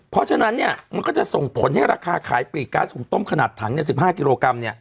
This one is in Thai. เพราะฉะนั้นมันก็จะส่งผลให้ราคาขายปลีกก๊าซหุ่งต้มขนาดถัง๑๕กิโลกรัม